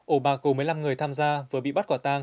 ổ bạc của một mươi năm người tham gia vừa bị bắt quả tăng